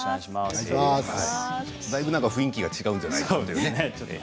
だいぶ雰囲気が違うんじゃないですか？